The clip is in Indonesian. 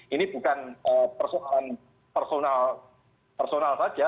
ini bukan persoalan personal saja